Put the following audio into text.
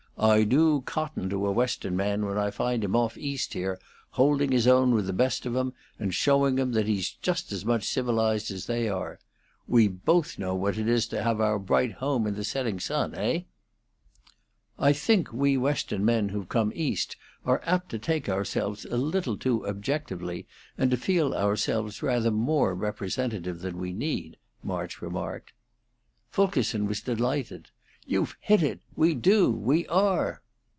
I do cotton to a Western man when I find him off East here, holding his own with the best of 'em, and showing 'em that he's just as much civilized as they are. We both know what it is to have our bright home in the setting sun; heigh?" "I think we Western men who've come East are apt to take ourselves a little too objectively and to feel ourselves rather more representative than we need," March remarked. Fulkerson was delighted. "You've hit it! We do! We are!"